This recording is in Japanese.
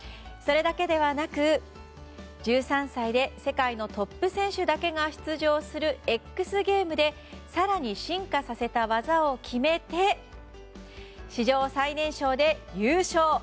それだけではなく、１３歳で世界のトップ選手だけが出場するＸＧＡＭＥＳで更に進化させた技を決めて史上最年少で優勝！